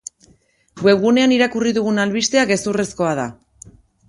Webgunean irakurri dugun albistea gezurrezkoa da.